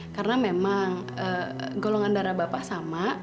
karena memang golongan darah bapak sama